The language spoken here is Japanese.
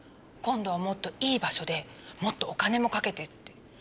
今度はもっといい場所でもっとお金もかけてって。